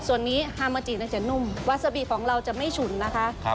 ส่วนนี้ฮามาจิจะนุ่มวาซาบีของเราจะไม่ฉุนนะคะ